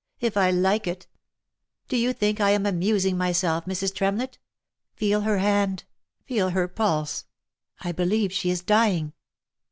" If I like it !— Do you think I am amusing myself, Mrs. Tremlett ?— Feel her hand — feel her pulse ! I believe she is dying."